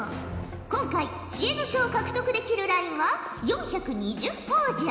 今回知恵の書を獲得できるラインは４２０ほぉじゃ。